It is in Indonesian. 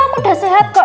aku udah sehat kok